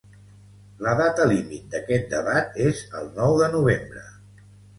La data límit d’aquest debat és el nou de novembre.